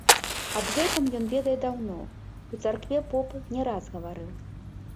Аб гэтым ён ведае даўно, у царкве поп не раз гаварыў.